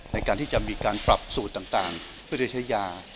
ในการที่จะมีการปรับสูตรต่างเพื่อจะใช้ยา